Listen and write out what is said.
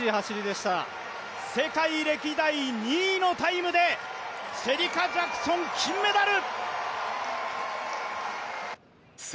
世界歴代２位のタイムでシェリカ・ジャクソン、金メダル。